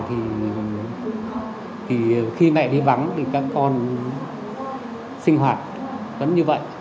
thì khi mẹ đi vắng thì các con sinh hoạt vẫn như vậy